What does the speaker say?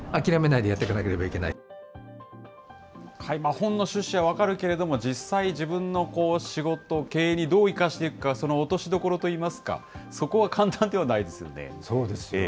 本の主旨は分かるけれども、実際、自分の仕事、経営にどう生かしていくか、その落としどころといいますか、そこは簡単ではないですよね。